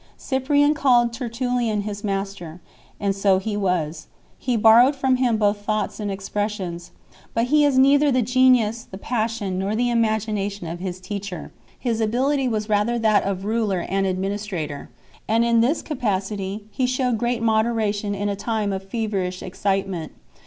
Cyprian called Tertullian his master, and so he was ; he borrowed from him both thoughts and expressions. But he has neither the genius, the passion, nor the imagination of his teacher; his ability was rather that of a ruler and administrator, and in this capacity he shewed great mode ration in a time of feverish excitement.